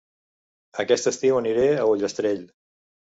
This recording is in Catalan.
Aquest estiu aniré a Ullastrell